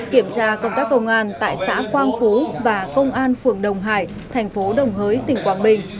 kiểm tra công tác công an tại xã quang phú và công an phường đồng hải thành phố đồng hới tỉnh quảng bình